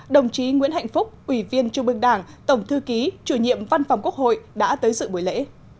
đồng chí nguyễn hạnh phúc ủy viên trung ương đảng tổng thư ký chủ nhiệm văn phòng quốc hội đã tới dự buổi lễ